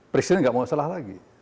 presiden nggak mau salah lagi